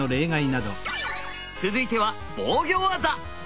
続いては防御ワザ。